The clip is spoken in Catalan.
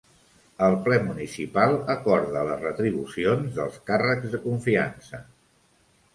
El Ple Municipal acorda les retribucions dels càrrecs de confiança.